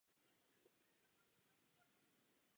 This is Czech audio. Ve svahu nad potokem se nachází ochranné pásmo přírodní památky.